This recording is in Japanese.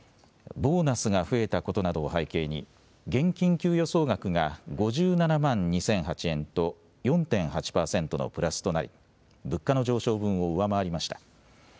ボーナスが増えたことなどを背景に、現金給与総額が５７万２００８円と、４．８％のプラスとなり、物価の上昇分を上回りました。